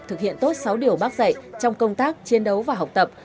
thực hiện tốt sáu điều bác dạy trong công tác chiến đấu và học tập